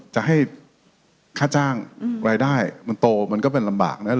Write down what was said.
จะให้ค่าจ้างรายได้มันโตมันก็เป็นลำบากนะ